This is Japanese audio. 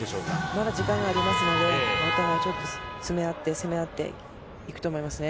まだ時間がありますので、またお互い、攻め合って、攻め合っていくと思いますね。